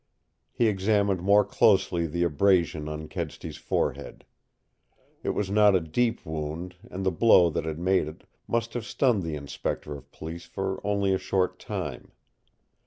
He examined more closely the abrasion on Kedsty's forehead. It was not a deep wound, and the blow that had made it must have stunned the Inspector of Police for only a short time.